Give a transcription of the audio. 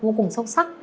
vô cùng sâu sắc